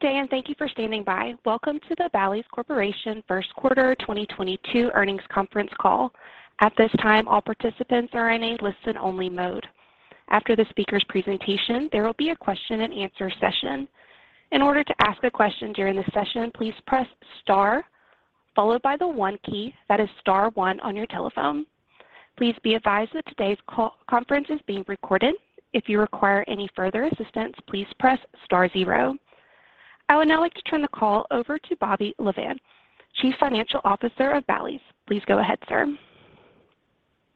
Good day, and thank you for standing by. Welcome to the Bally's Corporation First Quarter 2022 Earnings Conference Call. At this time, all participants are in a listen-only mode. After the speaker's presentation, there will be a question and answer session. In order to ask a question during the session, please press star followed by the 1 key. That is star 1 on your telephone. Please be advised that today's conference call is being recorded. If you require any further assistance, please press star zero. I would now like to turn the call over to Bobby Lavan, Chief Financial Officer of Bally's. Please go ahead, sir.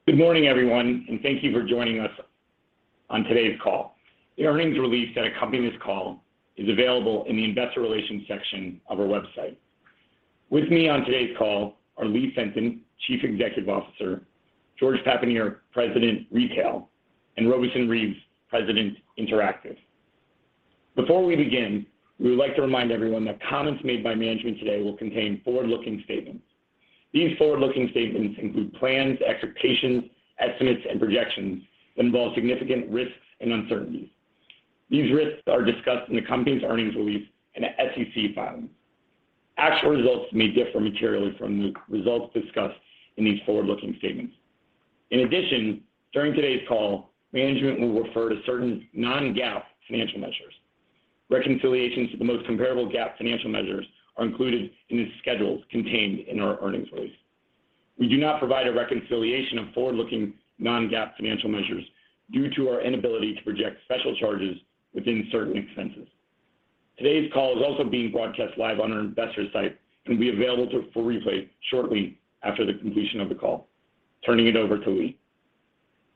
Good morning, everyone, and thank you for joining us on today's call. The earnings release that accompanies this call is available in the investor relations section of our website. With me on today's call are Lee Fenton, Chief Executive Officer, George Papanier, President, Retail, and Robeson Reeves, President, Interactive. Before we begin, we would like to remind everyone that comments made by management today will contain forward-looking statements. These forward-looking statements include plans, expectations, estimates, and projections that involve significant risks and uncertainties. These risks are discussed in the company's earnings release and SEC filings. Actual results may differ materially from the results discussed in these forward-looking statements. In addition, during today's call, management will refer to certain non-GAAP financial measures. Reconciliations to the most comparable GAAP financial measures are included in the schedules contained in our earnings release. We do not provide a reconciliation of forward-looking non-GAAP financial measures due to our inability to project special charges within certain expenses. Today's call is also being broadcast live on our investor site and will be available for replay shortly after the completion of the call. Turning it over to Lee.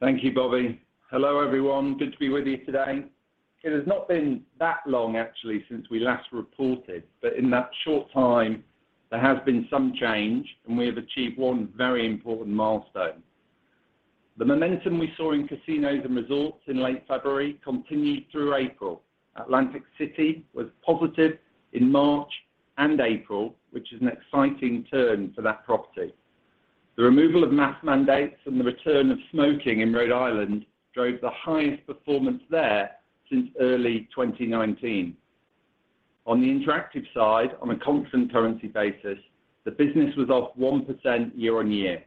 Thank you, Bobby. Hello, everyone. Good to be with you today. It has not been that long actually since we last reported. In that short time there has been some change and we have achieved one very important milestone. The momentum we saw in casinos and resorts in late February continued through April. Atlantic City was positive in March and April, which is an exciting turn for that property. The removal of mask mandates and the return of smoking in Rhode Island drove the highest performance there since early 2019. On the interactive side, on a constant currency basis, the business was up 1% year-on-year,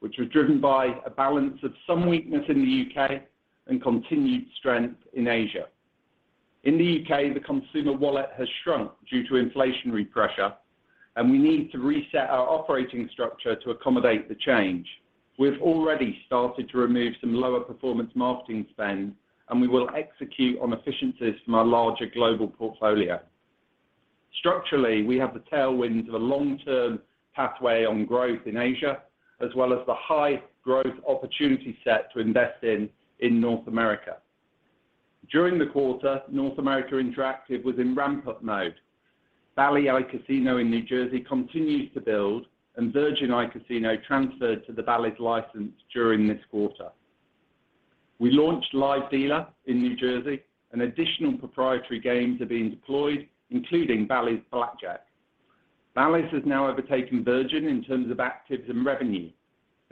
which was driven by a balance of some weakness in The U.K. and continued strength in Asia. In The U.K., the consumer wallet has shrunk due to inflationary pressure, and we need to reset our operating structure to accommodate the change. We've already started to remove some lower performance marketing spend, and we will execute on efficiencies from our larger global portfolio. Structurally, we have the tailwind of a long-term pathway on growth in Asia, as well as the high growth opportunity set to invest in North America. During the quarter, North America Interactive was in ramp-up mode. Bally Casino in New Jersey continues to build and Virgin Casino transferred to the Bally's license during this quarter. We launched live dealer in New Jersey and additional proprietary games are being deployed, including Bally's Blackjack. Bally's has now overtaken Virgin in terms of actives and revenue.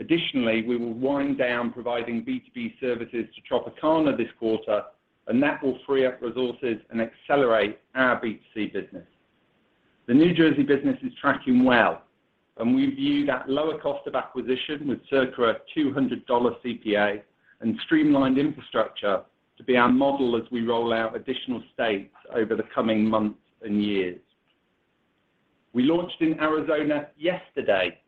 Additionally, we will wind down providing B2B services to Tropicana this quarter, and that will free up resources and accelerate our B2C business. The New Jersey business is tracking well, and we view that lower cost of acquisition with circa $200 CPA and streamlined infrastructure to be our model as we roll out additional states over the coming months and years. We launched in Arizona yesterday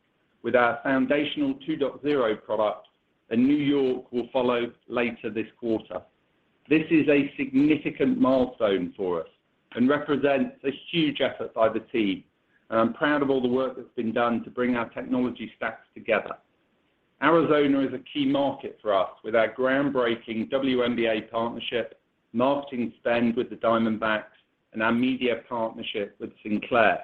with our foundational 2.0 product, and New York will follow later this quarter. This is a significant milestone for us and represents a huge effort by the team, and I'm proud of all the work that's been done to bring our technology stacks together. Arizona is a key market for us with our groundbreaking WNBA partnership, marketing spend with the Diamondbacks, and our media partnership with Sinclair.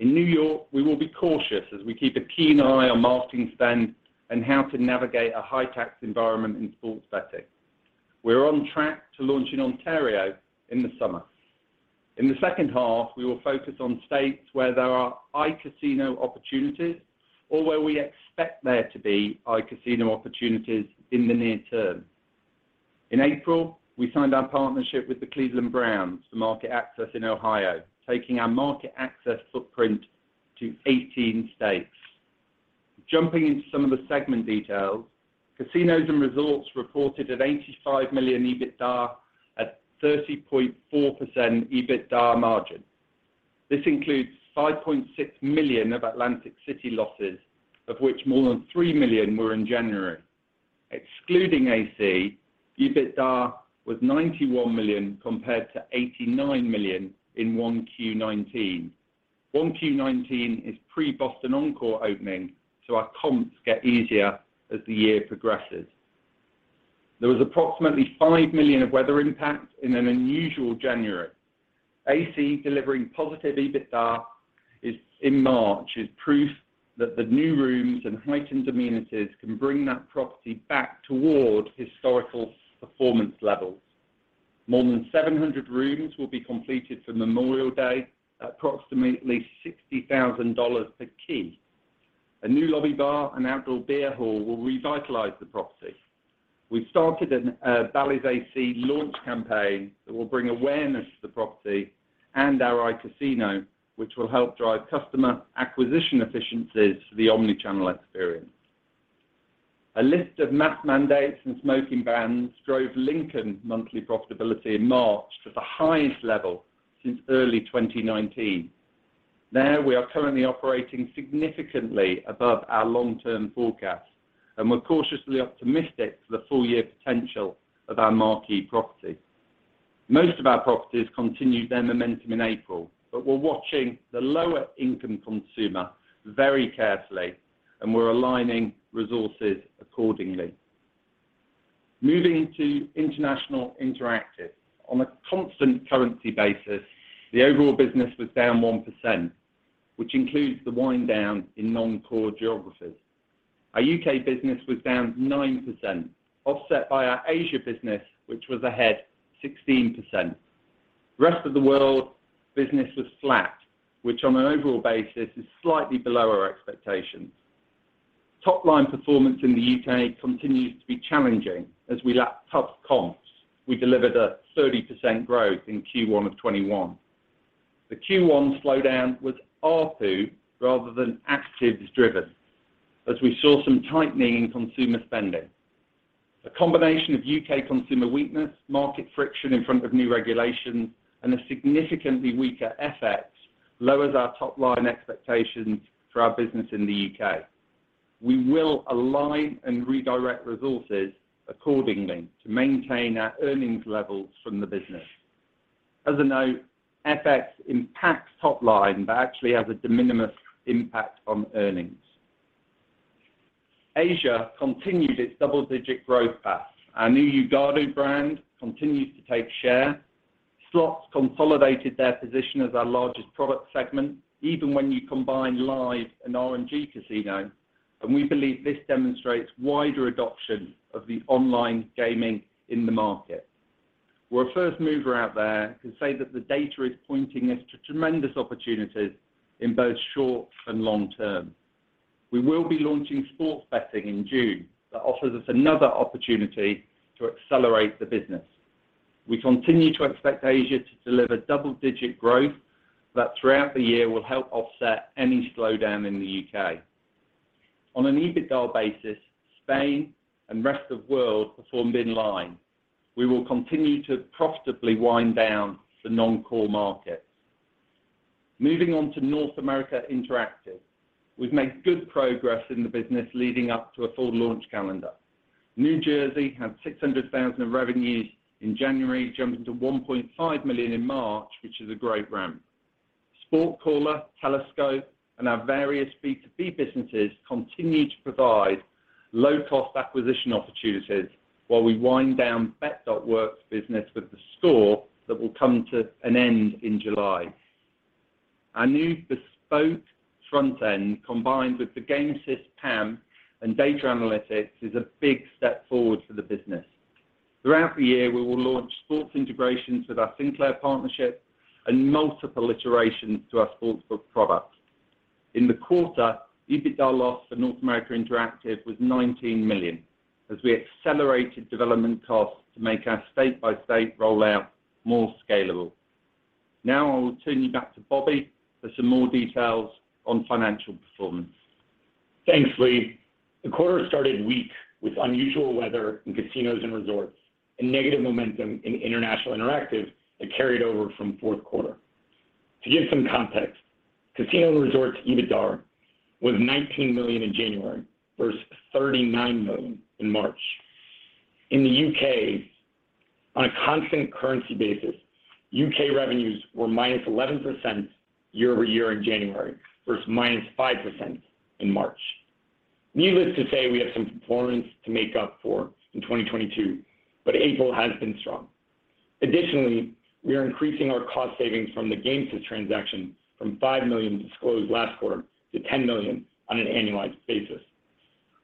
In New York, we will be cautious as we keep a keen eye on marketing spend and how to navigate a high-tax environment in sports betting. We're on track to launch in Ontario in the summer. In the second half, we will focus on states where there are iCasino opportunities or where we expect there to be iCasino opportunities in the near term. In April, we signed our partnership with the Cleveland Browns for market access in Ohio, taking our market access footprint to 18 states. Jumping into some of the segment details, casinos and resorts reported at $85 million EBITDA at 30.4% EBITDA margin. This includes $5.6 million of Atlantic City losses, of which more than $3 million were in January. Excluding AC, EBITDA was $91 million compared to $89 million in 1Q 2019. 1Q 2019 is pre-Encore Boston Harbor opening, so our comps get easier as the year progresses. There was approximately $5 million of weather impact in an unusual January. AC delivering positive EBITDA in March is proof that the new rooms and heightened amenities can bring that property back toward historical performance levels. More than 700 rooms will be completed for Memorial Day at approximately $60,000 per key. A new lobby bar and outdoor beer hall will revitalize the property. We've started an Bally's AC launch campaign that will bring awareness to the property and our iCasino, which will help drive customer acquisition efficiencies to the omni-channel experience. A lift of mask mandates and smoking bans drove Lincoln monthly profitability in March to the highest level since early 2019. There, we are currently operating significantly above our long-term forecasts, and we're cautiously optimistic for the full-year potential of our marquee property. Most of our properties continued their momentum in April, but we're watching the lower-income consumer very carefully, and we're aligning resources accordingly. Moving to International Interactive. On a constant currency basis, the overall business was down 1%, which includes the wind down in non-core geographies. Our UK business was down 9%, offset by our Asia business, which was ahead 16%. Rest-of-the-world business was flat, which on an overall basis is slightly below our expectations. Top line performance in The U.K. continues to be challenging as we lap tough comps. We delivered a 30% growth in Q1 of 2021. The Q1 slowdown was R2 rather than actives driven, as we saw some tightening in consumer spending. A combination of UK consumer weakness, market friction in front of new regulation, and a significantly weaker FX lowers our top line expectations for our business in The U.K.. We will align and redirect resources accordingly to maintain our earnings levels from the business. As a note, FX impacts top line, but actually has a de minimis impact on earnings. Asia continued its double-digit growth path. Our new Yuugado brand continues to take share. Slots consolidated their position as our largest product segment, even when you combine live and RNG casino, and we believe this demonstrates wider adoption of the online gaming in the market. We're a first mover out there, and safe to say that the data is pointing us to tremendous opportunities in both short and long-term. We will be launching sports betting in June. That offers us another opportunity to accelerate the business. We continue to expect Asia to deliver double-digit growth that throughout the year will help offset any slowdown in The U.K.. On an EBITDA basis, Spain and rest of world performed in line. We will continue to profitably wind down the non-core markets. Moving on to North America Interactive. We've made good progress in the business leading up to a full launch calendar. New Jersey had $600,000 of revenues in January, jumping to $1.5 million in March, which is a great ramp. SportCaller, Telescope, and our various B2B businesses continue to provide low-cost acquisition opportunities while we wind down Bet.Works business with the store that will come to an end in July. Our new bespoke front end, combined with the Gamesys PAM and data analytics, is a big step forward for the business. Throughout the year, we will launch sports integrations with our Sinclair partnership and multiple iterations to our sports book product. In the quarter, EBITDA loss for North America Interactive was $19 million as we accelerated development costs to make our state-by-state rollout more scalable. Now, I will turn you back to Bobby for some more details on financial performance. Thanks, Lee. The quarter started weak with unusual weather in casinos and resorts and negative momentum in International Interactive that carried over from fourth quarter. To give some context, casino and resorts EBITDA was $19 million in January versus $39 million in March. In The U.K., on a constant currency basis, UK revenues were -11% year-over- year in January versus -5% in March. Needless to say, we have some performance to make up for in 2022, but April has been strong. Additionally, we are increasing our cost savings from the Gamesys transaction from $5 million disclosed last quarter to $10 million on an annualized basis.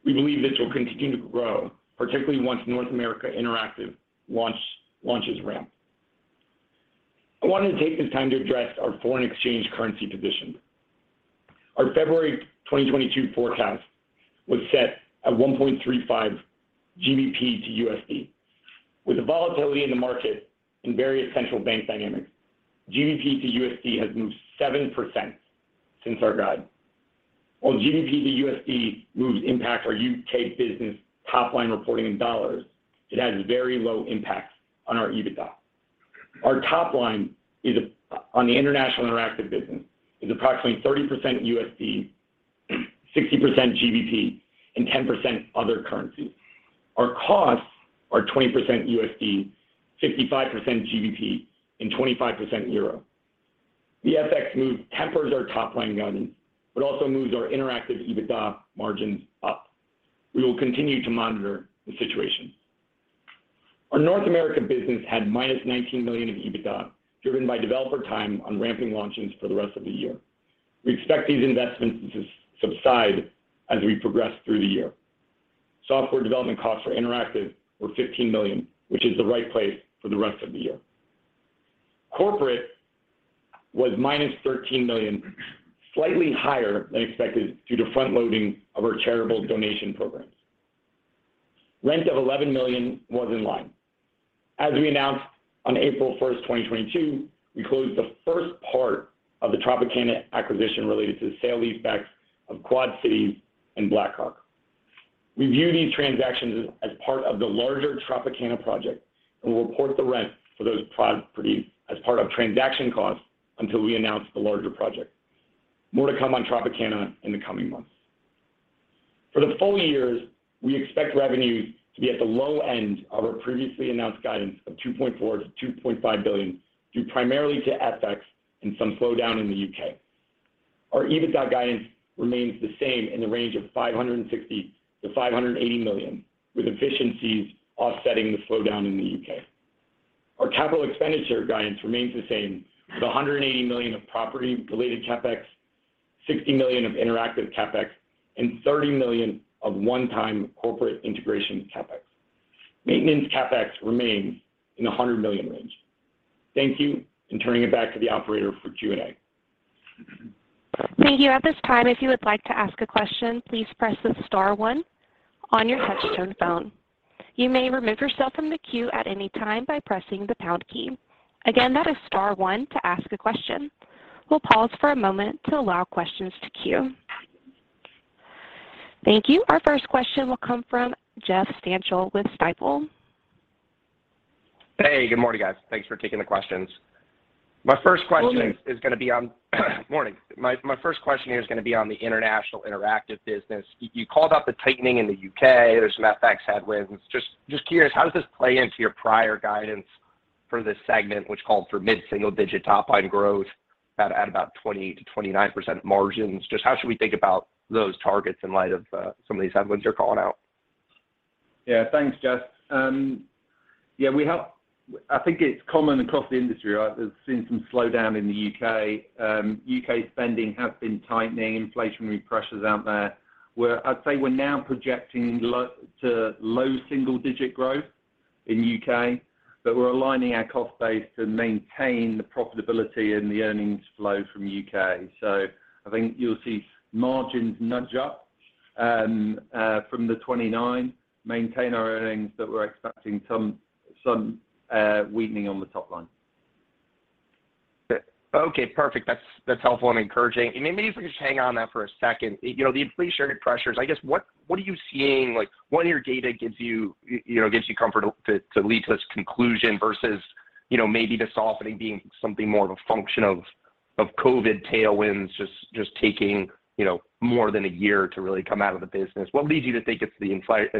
We believe this will continue to grow, particularly once North America Interactive launches ramp. I wanted to take this time to address our foreign exchange currency position. Our February 2022 forecast was set at 1.35 GBP to USD. With the volatility in the market and various central bank dynamics, GBP to USD has moved 7% since our guide. While GBP to USD moves impact our UK business top line reporting in dollars, it has very low impact on our EBITDA. Our top line on the International Interactive business is approximately 30% USD, 60% GBP, and 10% other currencies. Our costs are 20% USD, 65% GBP, and 25% euro. The FX move tempers our top line guidance but also moves our interactive EBITDA margins up. We will continue to monitor the situation. Our North America business had -$19 million in EBITDA, driven by developer time on ramping launches for the rest of the year. We expect these investments to subside as we progress through the year. Software development costs for Interactive were $15 million, which is the right place for the rest of the year. Corporate was -$13 million, slightly higher than expected due to front-loading of our charitable donation programs. Rent of $11 million was in line. As we announced on April 1st, 2022, we closed the first part of the Tropicana acquisition related to the sale leaseback of Quad Cities and Black Hawk. We view these transactions as part of the larger Tropicana project and will report the rent for those properties as part of transaction costs until we announce the larger project. More to come on Tropicana in the coming months. For the full-year, we expect revenue to be at the low end of our previously announced guidance of $2.4 billion-$2.5 billion, due primarily to FX and some slowdown in The U.K. Our EBITDA guidance remains the same in the range of $560 million-$580 million, with efficiencies offsetting the slowdown in The U.K.. Our capital expenditure guidance remains the same, with $180 million of property-related CapEx, $60 million of interactive CapEx, and $30 million of one-time corporate integration CapEx. Maintenance CapEx remains in the $100 million range. Thank you, and turning it back to the operator for Q&A. Thank you. At this time, if you would like to ask a question, please press the star one on your touchtone phone. You may remove yourself from the queue at any time by pressing the pound key. Again, that is star one to ask a question. We'll pause for a moment to allow questions to queue. Thank you. Our first question will come from Jeffrey Stantial with Stifel. Hey, good morning, guys. Thanks for taking the questions. My first question. Good morning. My first question here is gonna be on the international interactive business. You called out the tightening in The U.K.. There's some FX headwinds. Just curious, how does this play into your prior guidance for this segment, which called for mid-single digit top-line growth at about 20%-29% margins? Just how should we think about those targets in light of some of these headwinds you're calling out? Yeah, thanks, Jeff. I think it's common across the industry, right? We've seen some slowdown in the U.K. U.K. spending has been tightening, inflationary pressures out there, where I'd say we're now projecting low single digit growth in U.K., but we're aligning our cost base to maintain the profitability and the earnings flow from U.K. I think you'll see margins nudge up from the 29%, maintain our earnings, but we're expecting some weakening on the top line. Okay, perfect. That's helpful and encouraging. Maybe if we just hang on that for a second, you know, the inflationary pressures, I guess, what are you seeing? Like, what in your data gives you know, gives you comfort to lead to this conclusion versus, you know, maybe the softening being something more of a function of COVID tailwinds just taking, you know, more than a year to really come out of the business. What leads you to think it's the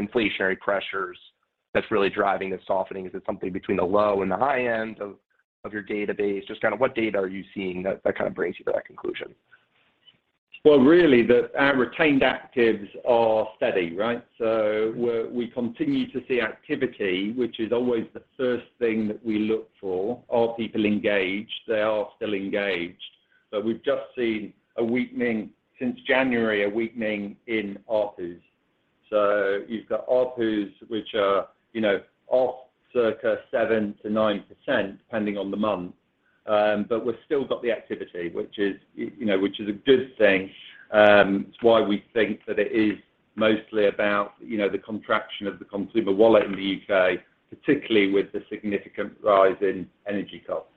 inflationary pressures that's really driving the softening? Is it something between the low and the high end of your database? Just kind of what data are you seeing that kind of brings you to that conclusion? Well, really, our retained actives are steady, right? We continue to see activity, which is always the first thing that we look for. Are people engaged? They are still engaged. We've just seen a weakening since January in ARPU. You've got ARPUs, which are, you know, off circa 7%-9%, depending on the month. We've still got the activity, which is, you know, a good thing. It's why we think that it is mostly about, you know, the contraction of the consumer wallet in The U.K., particularly with the significant rise in energy costs.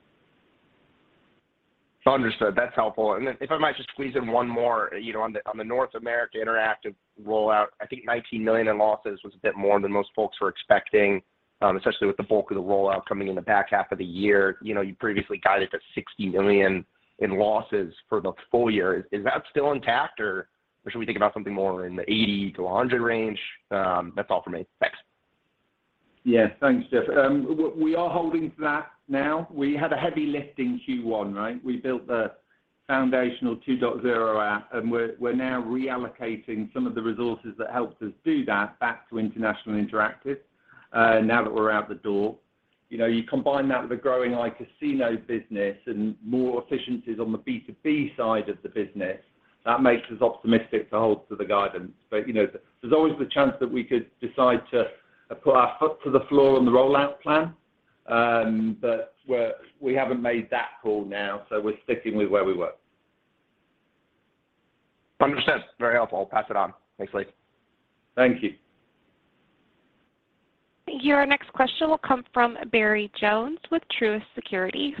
Understood. That's helpful. Then if I might just squeeze in one more, you know, on the North America interactive rollout, I think $19 million in losses was a bit more than most folks were expecting, especially with the bulk of the rollout coming in the back half of the year. You know, you previously guided to $60 million in losses for the full-year. Is that still intact or should we think about something more in the $80 million-$100 million range? That's all for me. Thanks. Yeah. Thanks, Jeff. We are holding to that now. We had a heavy lift in Q1, right? We built the foundational 2.0 app, and we're now reallocating some of the resources that helped us do that back to international interactive, now that we're out the door. You know, you combine that with a growing iCasino business and more efficiencies on the B2B side of the business, that makes us optimistic to hold to the guidance. You know, there's always the chance that we could decide to put our foot to the floor on the rollout plan. We haven't made that call now, so we're sticking with where we were. Understood. Very helpful. I'll pass it on. Thanks, Lee. Thank you. Thank you. Our next question will come from Barry Jonas with Truist Securities.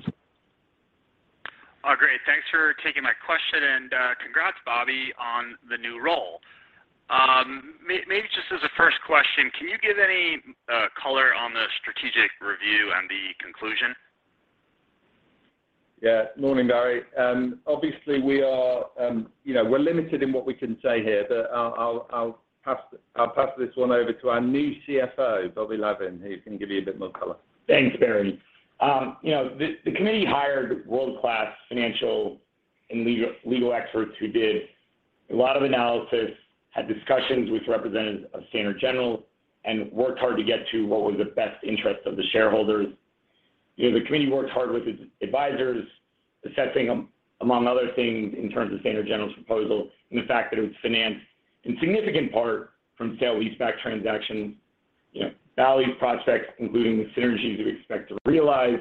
Oh, great. Thanks for taking my question, and congrats, Bobby, on the new role. Maybe just as a first question, can you give any color on the strategic review and the conclusion? Morning, Barry. Obviously, we are, you know, we're limited in what we can say here, but I'll pass this one over to our new CFO, Bobby Lavan, who's gonna give you a bit more color. Thanks, Barry. You know, the committee hired world-class financial and legal experts who did a lot of analysis, had discussions with representatives of Standard General, and worked hard to get to what was the best interest of the shareholders. You know, the committee worked hard with its advisors. Assessing, among other things in terms of Standard General's proposal and the fact that it was financed in significant part from sale leaseback transactions, you know, valuing prospects, including the synergies we expect to realize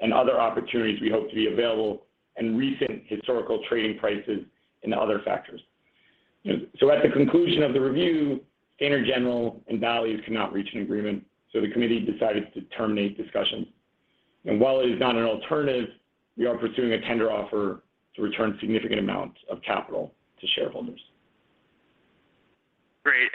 and other opportunities we hope to be available and recent historical trading prices and other factors. At the conclusion of the review, Standard General and Bally's could not reach an agreement, so the committee decided to terminate discussions. While it is not an alternative, we are pursuing a tender offer to return significant amounts of capital to shareholders. Great.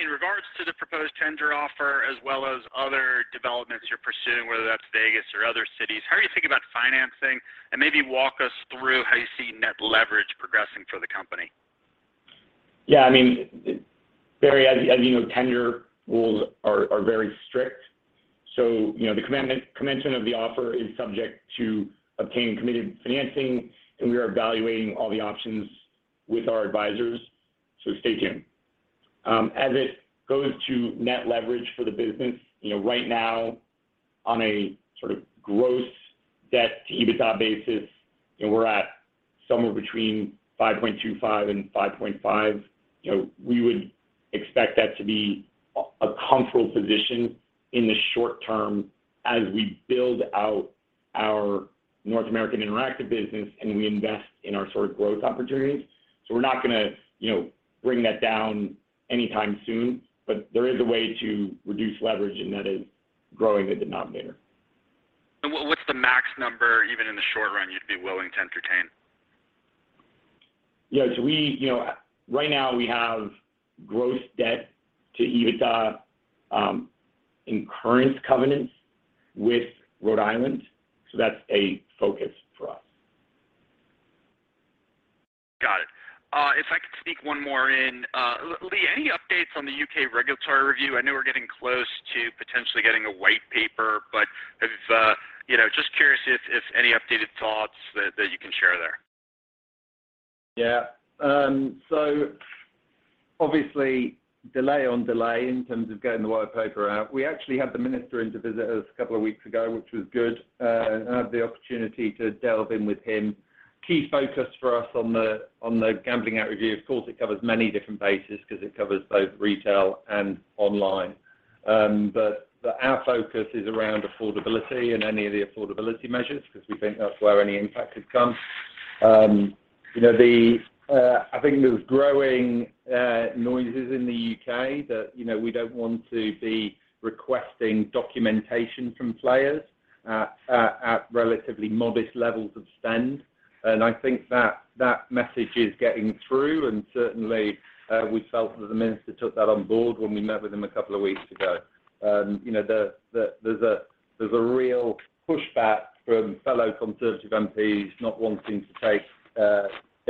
In regards to the proposed tender offer as well as other developments you're pursuing, whether that's Vegas or other cities, how are you thinking about financing? Maybe walk us through how you see net leverage progressing for the company. Yeah, I mean, Barry, as you know, tender rules are very strict. You know, the commencement of the offer is subject to obtain committed financing, and we are evaluating all the options with our advisors, so stay tuned. As it goes to net leverage for the business, you know, right now on a sort of gross debt to EBITDA basis, you know, we're at somewhere between 5.25 and 5.5. You know, we would expect that to be a comfortable position in the short-term as we build out our North American interactive business and we invest in our sort of growth opportunities. We're not gonna, you know, bring that down anytime soon, but there is a way to reduce leverage, and that is growing the denominator. What's the max number, even in the short run, you'd be willing to entertain? Yeah. We, you know, right now we have gross debt to EBITDA in current covenants with Rhode Island, so that's a focus for us. Got it. If I could sneak one more in. Lee, any updates on The U.K. regulatory review? I know we're getting close to potentially getting a white paper, but if you know, just curious if any updated thoughts that you can share there. Yeah. So obviously delay in terms of getting the white paper out. We actually had the minister in to visit us a couple of weeks ago, which was good, and had the opportunity to delve in with him. Key focus for us on the Gambling Act Review. Of course, it covers many different bases because it covers both retail and online. But our focus is around affordability and any of the affordability measures because we think that's where any impact has come. You know, I think there's growing noises in The U.K. that, you know, we don't want to be requesting documentation from players at relatively modest levels of spend. I think that message is getting through. Certainly, we felt that the minister took that on board when we met with him a couple of weeks ago. You know, there's a real pushback from fellow conservative MPs not wanting to go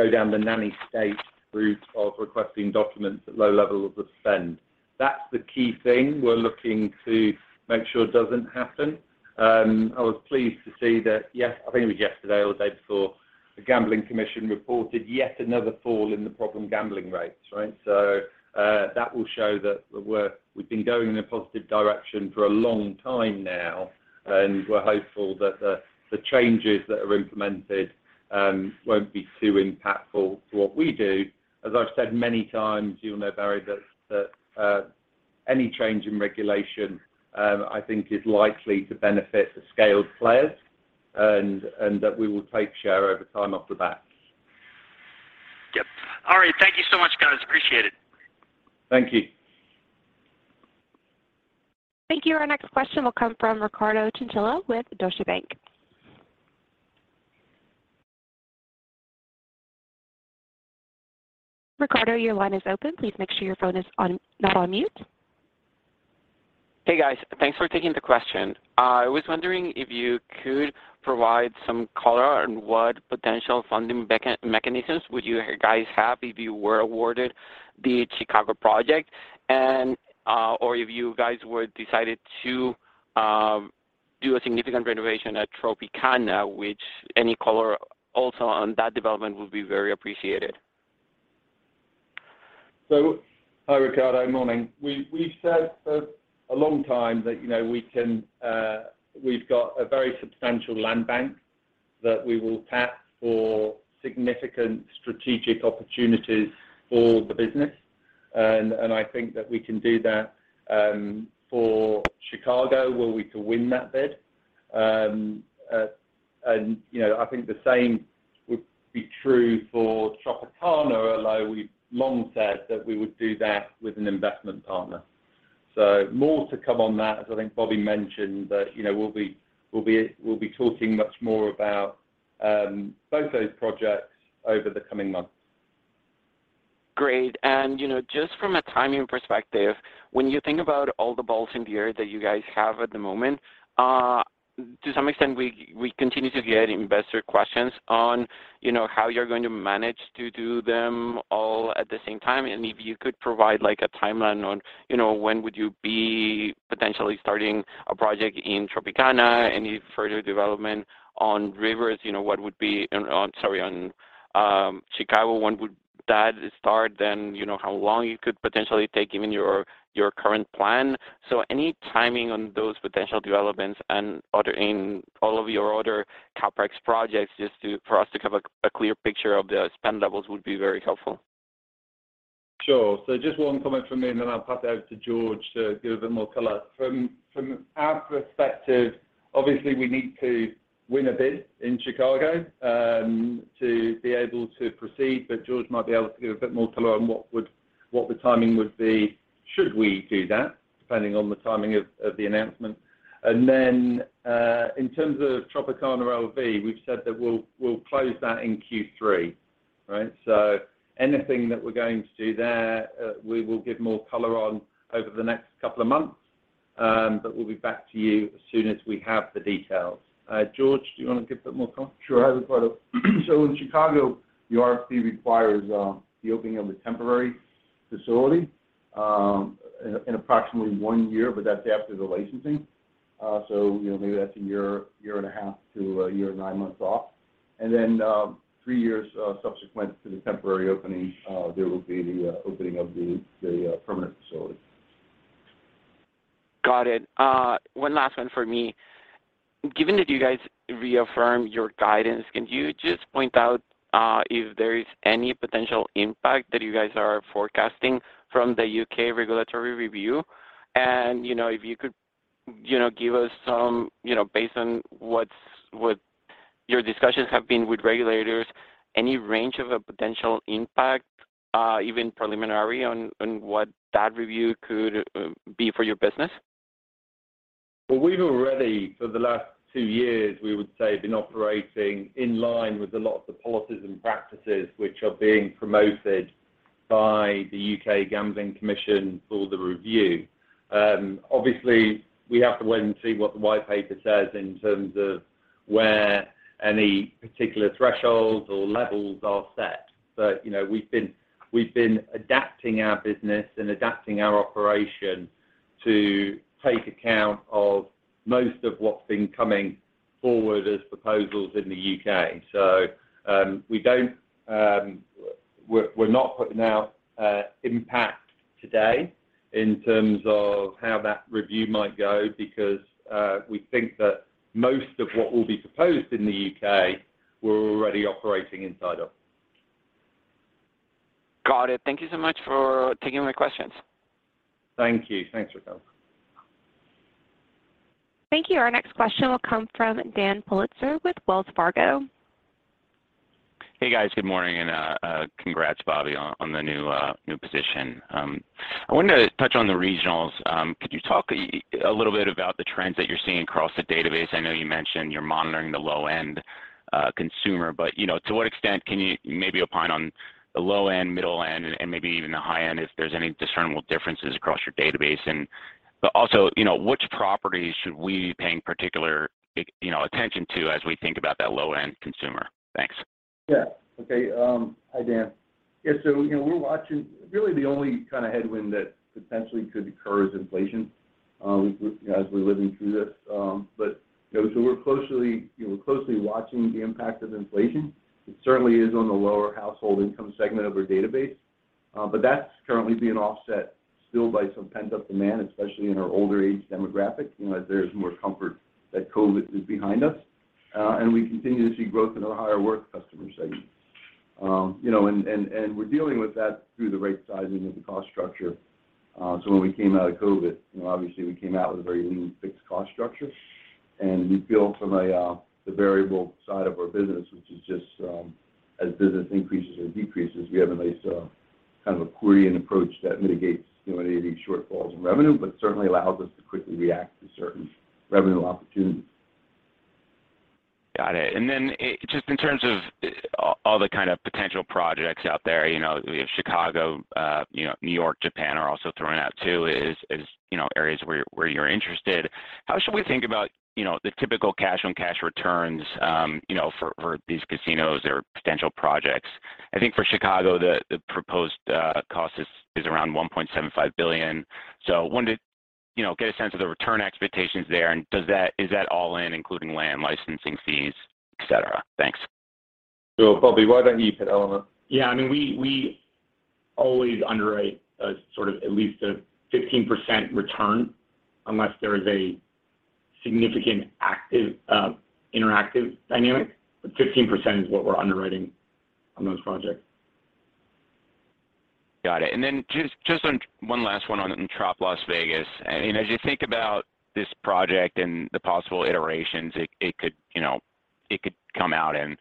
down the nanny state route of requesting documents at low levels of spend. That's the key thing we're looking to make sure doesn't happen. I was pleased to see that I think it was yesterday or the day before, the Gambling Commission reported yet another fall in the problem gambling rates, right? That will show that we've been going in a positive direction for a long time now, and we're hopeful that the changes that are implemented won't be too impactful to what we do. As I've said many times, you know, Barry, that any change in regulation, I think is likely to benefit the scaled players and that we will take share over time off the bat. Yep. All right. Thank you so much, guys. Appreciate it. Thank you. Thank you. Our next question will come from Ricardo Chinchilla with Deutsche Bank. Ricardo, your line is open. Please make sure your phone is on, not on mute. Hey, guys. Thanks for taking the question. I was wondering if you could provide some color on what potential funding mechanisms would you guys have if you were awarded the Chicago project and, or if you guys were decided to do a significant renovation at Tropicana, which any color also on that development would be very appreciated. Hi, Ricardo. Morning. We've said for a long time that, you know, we can, we've got a very substantial land bank that we will tap for significant strategic opportunities for the business. I think that we can do that for Chicago, where we can win that bid. You know, I think the same would be true for Tropicana, although we've long said that we would do that with an investment partner. More to come on that, as I think Bobby mentioned, but, you know, we'll be talking much more about both those projects over the coming months. Great. You know, just from a timing perspective, when you think about all the balls in the air that you guys have at the moment, to some extent, we continue to get investor questions on, you know, how you're going to manage to do them all at the same time. If you could provide like a timeline on, you know, when would you be potentially starting a project in Tropicana? Any further development on Rivers? You know, on Chicago, when would that start then? You know, how long it could potentially take given your current plan. Any timing on those potential developments and other in all of your other CapEx projects, just for us to have a clear picture of the spend levels would be very helpful. Sure. Just one comment from me, and then I'll pass it over to George to give a bit more color. From our perspective, obviously, we need to win a bid in Chicago to be able to proceed, but George might be able to give a bit more color on what the timing would be should we do that, depending on the timing of the announcement. In terms of Tropicana LV, we've said that we'll close that in Q3, right? Anything that we're going to do there, we will give more color on over the next couple of months. But we'll be back to you as soon as we have the details. George, do you wanna give a bit more comment? Sure. I have a follow-up. In Chicago, the RFP requires the opening of a temporary facility in approximately one year, but that's after the licensing. You know, maybe that's a year and a half to a year and nine months off. Then, three years subsequent to the temporary opening, there will be the opening of the permanent facility. Got it. One last one from me. Given that you guys reaffirmed your guidance, can you just point out if there is any potential impact that you guys are forecasting from The U.K. regulatory review? You know, if you could, you know, give us based on what your discussions have been with regulators, any range of a potential impact, even preliminary, on what that review could be for your business? Well, we've already, for the last two years, we would say, been operating in line with a lot of the policies and practices which are being promoted by The U.K. Gambling Commission for the review. Obviously, we have to wait and see what the white paper says in terms of where any particular thresholds or levels are set. You know, we've been adapting our business and adapting our operation to take account of most of what's been coming forward as proposals in The U.K.. We're not putting out any impact today in terms of how that review might go because we think that most of what will be proposed in The U.K., we're already operating inside of. Got it. Thank you so much for taking my questions. Thank you. Thanks, Ricardo. Thank you. Our next question will come from Daniel Politzer with Wells Fargo. Hey, guys. Good morning, and congrats, Bobby, on the new position. I wanted to touch on the regionals. Could you talk a little bit about the trends that you're seeing across the database? I know you mentioned you're monitoring the low-end consumer, but you know, to what extent can you maybe opine on the low end, middle end, and maybe even the high end, if there's any discernible differences across your database? But also, you know, which properties should we be paying particular, you know, attention to as we think about that low-end consumer? Thanks. Yeah. Okay. Hi, Dan. Yeah, you know, we're watching. Really, the only kind of headwind that potentially could occur is inflation, as we're living through this. You know, we're closely watching the impact of inflation. It certainly is on the lower household income segment of our database, but that's currently being offset still by some pent-up demand, especially in our older age demographic, you know, as there is more comfort that COVID is behind us. We continue to see growth in our higher worth customer segment. You know, we're dealing with that through the right sizing of the cost structure. When we came out of COVID, you know, obviously, we came out with a very lean fixed cost structure, and we feel, from the variable side of our business, which is just as business increases or decreases, we have at least a kind of a querying approach that mitigates, you know, any of these shortfalls in revenue, but certainly allows us to quickly react to certain revenue opportunities. Got it. Then, just in terms of all the kind of potential projects out there, you know, you have Chicago, you know, New York, Japan are also thrown out too as, you know, areas where you're interested. How should we think about, you know, the typical cash-on-cash returns, you know, for these casinos or potential projects? I think for Chicago, the proposed cost is around $1.75 billion. Wanted to, you know, get a sense of the return expectations there, and is that all in including land, licensing fees, et cetera? Thanks. Sure. Bobby, why don't you hit that one up? I mean, we always underwrite a sort of at least a 15% return unless there is a significant active, interactive dynamic, but 15% is what we're underwriting on those projects. Got it. Then just on one last one on in Tropicana Las Vegas. You know, as you think about this project and the possible iterations it could come out in,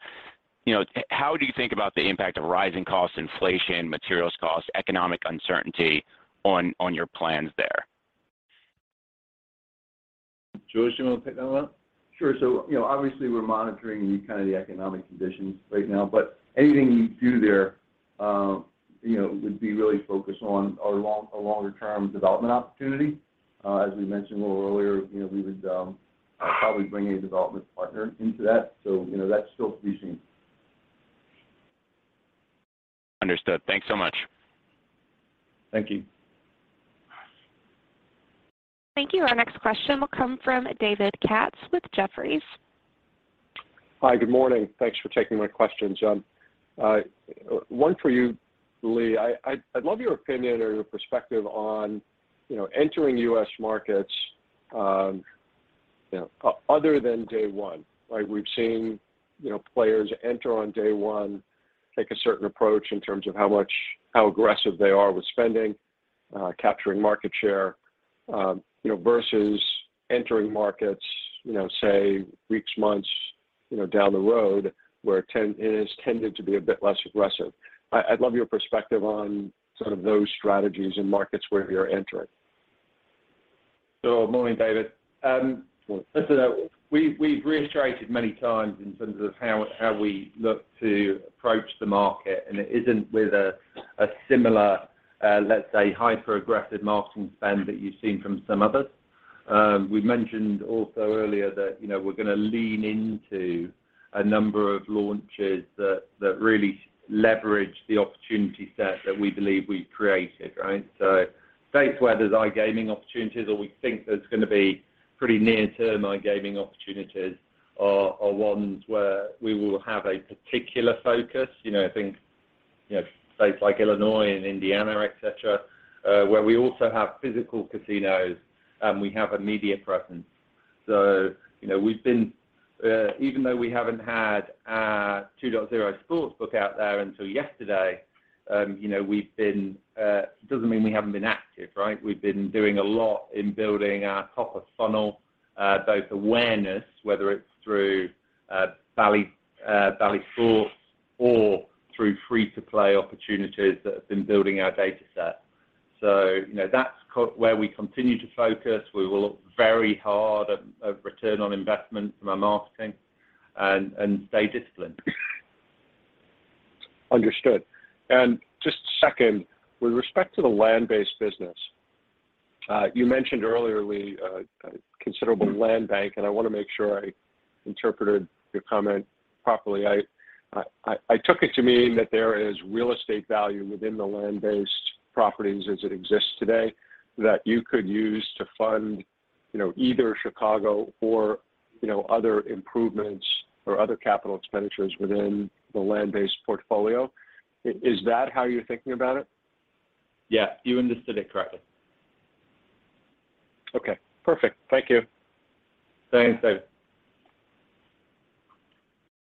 you know, how do you think about the impact of rising costs, inflation, materials costs, economic uncertainty on your plans there? George, you wanna pick that one up? Sure. You know, obviously, we're monitoring the kind of the economic conditions right now. Anything we do there, you know, would be really focused on a longer term development opportunity. As we mentioned a little earlier, you know, we would probably bring a development partner into that. You know, that's still to be seen. Understood. Thanks so much. Thank you. Thank you. Our next question will come from David Katz with Jefferies. Hi. Good morning. Thanks for taking my questions. One for you, Lee. I'd love your opinion or your perspective on, you know, entering US markets. Yeah. Other than day one, right? We've seen, you know, players enter on day one take a certain approach in terms of how aggressive they are with spending, capturing market share, you know, versus entering markets, you know, say, weeks, months, you know, down the road where it has tended to be a bit less aggressive. I'd love your perspective on sort of those strategies in markets where we are entering. Morning, David. Listen, we've reiterated many times in terms of how we look to approach the market, and it isn't with a similar, let's say, hyper-aggressive marketing spend that you've seen from some others. We've mentioned also earlier that, you know, we're gonna lean into a number of launches that really leverage the opportunity set that we believe we've created, right? States where there's iGaming opportunities or we think there's gonna be pretty near-term iGaming opportunities are ones where we will have a particular focus. You know, I think, you know, states like Illinois and Indiana, et cetera, where we also have physical casinos and we have a media presence. Even though we haven't had our 2.0 sportsbook out there until yesterday, doesn't mean we haven't been active, right? We've been doing a lot in building our top of funnel, both awareness, whether it's through Bally Sports or through free-to-play opportunities that have been building our dataset. That's where we continue to focus. We will look very hard at return on investment from our marketing and stay disciplined. Understood. Just a second, with respect to the land-based business, you mentioned earlier a considerable land bank, and I wanna make sure I interpreted your comment properly. I took it to mean that there is real estate value within the land-based properties as it exists today that you could use to fund, you know, either Chicago or, you know, other improvements or other capital expenditures within the land-based portfolio. Is that how you're thinking about it? Yeah, you understood it correctly. Okay. Perfect. Thank you. Thanks, David.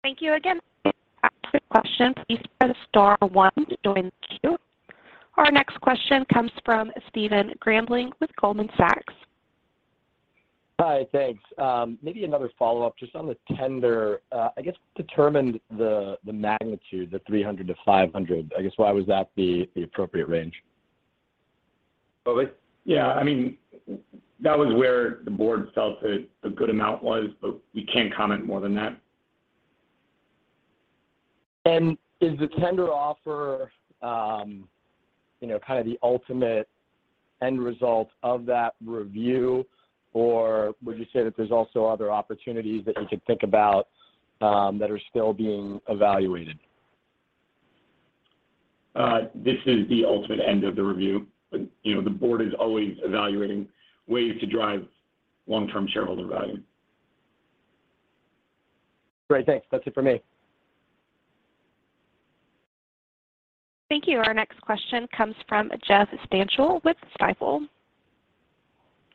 Thank you again. To ask a question, please press star one to join the queue. Our next question comes from Stephen Grambling with Goldman Sachs. Hi. Thanks. Maybe another follow-up just on the tender. I guess to determine the magnitude, the $300-$500. I guess why was that the appropriate range? Okay. Yeah. I mean, that was where the board felt that a good amount was, but we can't comment more than that. Is the tender offer, you know, kind of the ultimate end result of that review? Or would you say that there's also other opportunities that you can think about, that are still being evaluated? This is the ultimate end of the review. You know, the board is always evaluating ways to drive long-term shareholder value. Great. Thanks. That's it for me. Thank you. Our next question comes from Jeffrey Stantial with Stifel.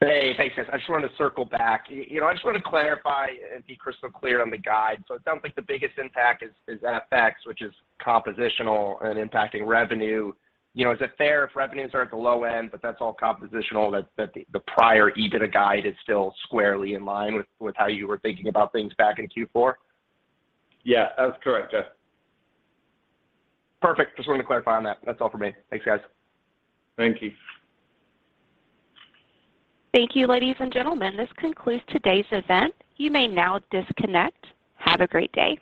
Hey. Thanks, guys. I just wanted to circle back. You know, I just wanna clarify and be crystal clear on the guide. It sounds like the biggest impact is FX, which is compositional and impacting revenue. You know, is it fair if revenues are at the low end, but that's all compositional that the prior EBITDA guide is still squarely in line with how you were thinking about things back in Q4? Yeah. That's correct, Jeff. Perfect. Just wanted to clarify on that. That's all for me. Thanks, guys. Thank you. Thank you, ladies and gentlemen. This concludes today's event. You may now disconnect. Have a great day.